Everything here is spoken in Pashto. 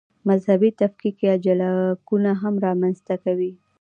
مذهبي تفکیک یا جلاکونه هم رامنځته کوي.